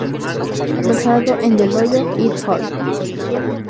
Basado en del Hoyo "et al".